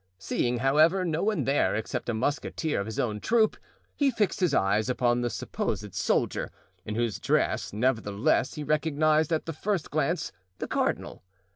Seeing, however, no one there except a musketeer of his own troop, he fixed his eyes upon the supposed soldier, in whose dress, nevertheless, he recognized at the first glance the cardinal.